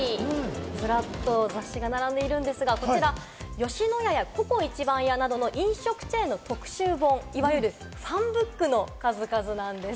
ずらっと雑誌が並んでいるんですが、こちら、吉野家やＣｏＣｏ壱番屋などの飲食チェーンの特集本、いわゆるファンブックの数々なんです。